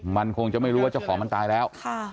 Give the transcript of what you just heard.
มันคงจะไม่รู้ว่าเจ้าของมันตายแล้ว